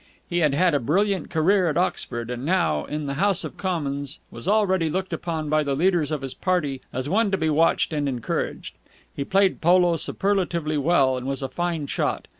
He had had a brilliant career at Oxford, and now, in the House of Commons, was already looked upon by the leaders of his party as one to be watched and encouraged. He played polo superlatively well, and was a fine shot.